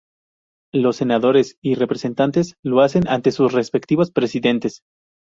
Los Senadores y Representantes lo hacen ante sus respectivos Presidentes.